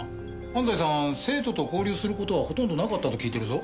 安西さん生徒と交流する事はほとんどなかったと聞いてるぞ。